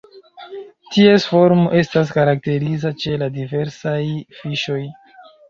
Ties formo estas karakteriza ĉe la diversaj fiŝoj.